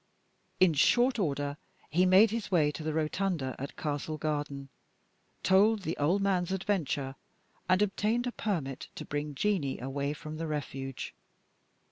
In short order he made his way to the Rotunda at Castle Garden, told the old man's adventure, and obtained a permit to bring Jeanie away from the Refuge.